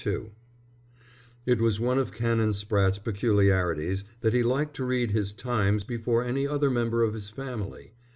II It was one of Canon Spratte's peculiarities that he liked to read his Times before any other member of his family.